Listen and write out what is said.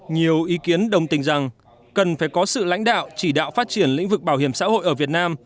nhiều ý kiến đồng tình rằng cần phải có sự lãnh đạo chỉ đạo phát triển lĩnh vực bảo hiểm xã hội ở việt nam